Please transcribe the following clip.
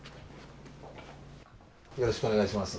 よろしくお願いします。